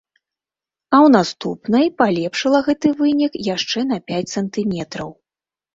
А ў наступнай палепшыла гэты вынік яшчэ на пяць сантыметраў.